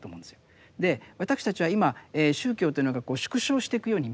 私たちは今宗教というのがこう縮小していくように見える。